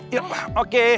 oke kita udah sampe